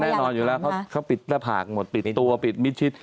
แน่นอนอยู่แล้วเขาปิดหน้าผากหมดปิดตัวปิดมิดชิด